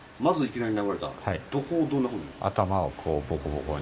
どこをどんなふうに？